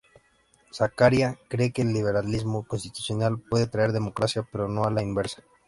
Zakaria cree que el liberalismo constitucional puede traer democracia, pero no a la inversa.